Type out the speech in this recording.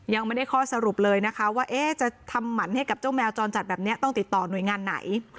ยังไม่ได้ข้อสรุปเลยนะคะว่าจะทำหมันให้กับเจ้าแมวจรจัดแบบนี้ต้องติดต่อหน่วยงานไหน